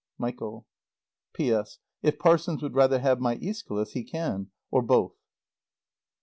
MICHAEL. P.S. If Parsons would rather have my Æschylus he can, or both.